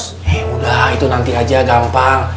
eh udah itu nanti aja gampang